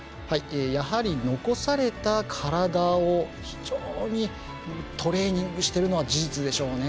やはり、残された体を非常にトレーニングしてるのは事実でしょうね。